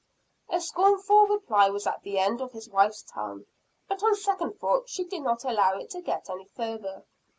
A scornful reply was at the end of his wife's tongue but, on second thought, she did not allow it to get any farther.